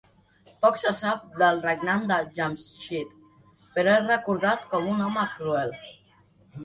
Poc se sap del regnat de Jamsheed, però és recordat com un home cruel.